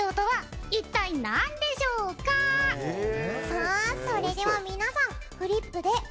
さあそれでは皆さんフリップでお答えください。